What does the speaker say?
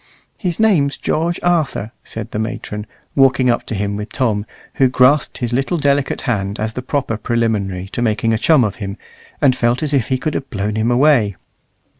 "His name's George Arthur," said the matron, walking up to him with Tom, who grasped his little delicate hand as the proper preliminary to making a chum of him, and felt as if he could have blown him away.